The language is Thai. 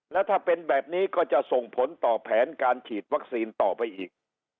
แล้วถ้าเป็นแบบนี้ก็จะส่งผลต่อแผนการฉีดวัคซีนต่อไปอีก